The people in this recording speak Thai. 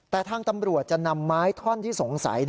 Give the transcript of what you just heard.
แต่ทางตำรวจจะนำไม้ท่อนที่สงสัย